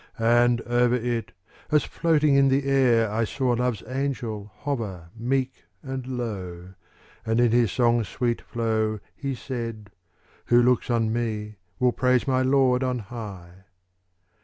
And over it, as floating in the air I saw Love's angel hover meek and low, And in his song's sweet flow. He said, "Who looks on me Will praise my Lord on high."